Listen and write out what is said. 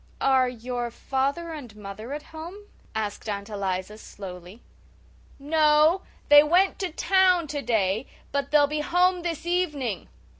"Are your father and mother at home?" asked Aunt Eliza, slowly. "No, they went to town today. But they'll be home this evening."